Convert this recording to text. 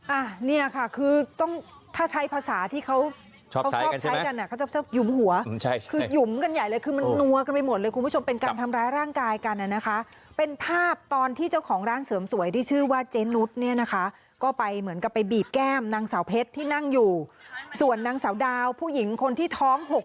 อ่ะเนี่ยค่ะคือต้องถ้าใช้ภาษาที่เขาชอบเขาชอบใช้กันอ่ะเขาจะหยุมหัวคือหยุมกันใหญ่เลยคือมันนัวกันไปหมดเลยคุณผู้ชมเป็นการทำร้ายร่างกายกันน่ะนะคะเป็นภาพตอนที่เจ้าของร้านเสริมสวยที่ชื่อว่าเจนุสเนี่ยนะคะก็ไปเหมือนกับไปบีบแก้มนางสาวเพชรที่นั่งอยู่ส่วนนางสาวดาวผู้หญิงคนที่ท้องหก